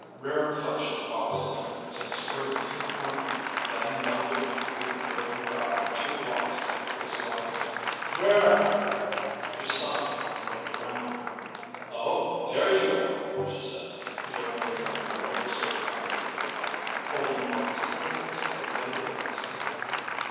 Rara clutched her box of trinkets and scurried to the corner, then melded with the herding crowd for two blocks into the slums. "Rara!" She stopped and looked around. "Oh, there you are," she said, joining a young girl who stood back from the crowd, holding a box of trinkets like the other woman's.